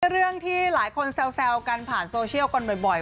เรื่องที่หลายคนแซวกันผ่านโซเชียลกันบ่อย